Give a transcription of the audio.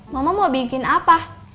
mama mau bikin apa